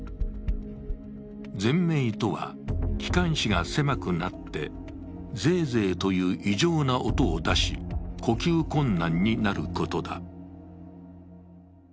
ぜん鳴とは気管支が狭くなってゼーゼーという異常な音を出し呼吸困難になることだ。